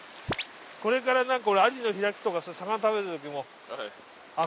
これからなんか俺アジの開きとか魚食べる時もあっ